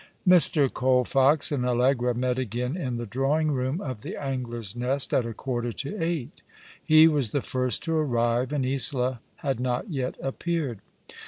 Mr. Colfox and Allegra met again in the drawing room of the Angler's Nest at a quarter to eight. He was the first to arrive, and Isola had not yet appeared.